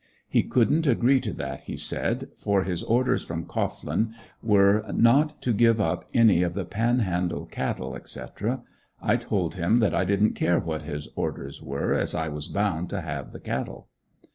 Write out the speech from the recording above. He couldn't agree to that, he said, for his orders from Cohglin were, not to give up any of the Panhandle cattle, etc. I told him that I didn't care what his orders were, as I was bound to have the cattle.